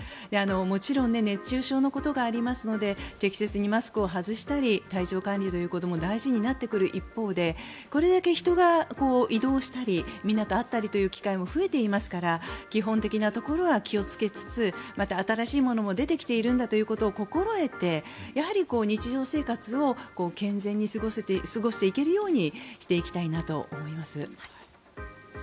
もちろん熱中症のことがありますので適切にマスクを外したり体調管理ということも大事になってくる一方でこれだけ人が移動したりみんなと会ったりという機会も増えていますから基本的なところは気をつけつつまた新しいものも出ているんだということを心得てやはり日常生活を健全に過ごしていけるようにしていきたいと思います。